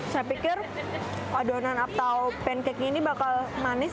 saya pikir adonan atau pancake nya ini bakal manis